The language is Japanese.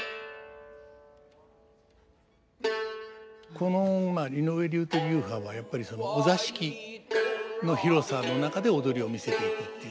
この井上流という流派はやっぱりお座敷の広さの中で踊りを見せていくっていう。